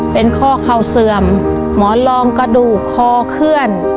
เป็นข้อเข่าเสื่อมหมอนรองกระดูกคอเคลื่อน